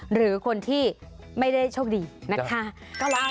หรือคนที่ไม่ได้โชคดีนะคะ